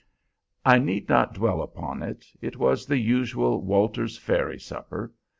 I need not dwell upon it; it was the usual Walter's Ferry supper.